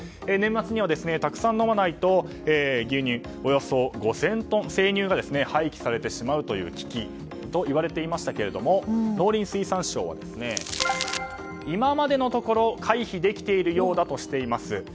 年末にはたくさん飲まないと生乳がおよそ５０００トン廃棄されてしまう危機といわれていましたが農林水産省は今までのところ回避できているようだとしています。